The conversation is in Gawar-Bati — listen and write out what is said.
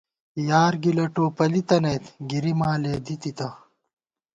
یار گِلہ ٹوپَلِی تنَئیت گِری ماں لېدِی تِتہ